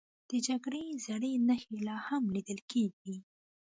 د جګړې زړې نښې لا هم لیدل کېږي.